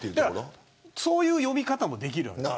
そういう読み方もできるんです。